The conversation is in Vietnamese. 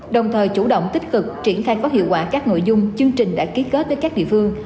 đồng thời chủ động tích cực triển khai có hiệu quả các nội dung chương trình đã ký kết với các địa phương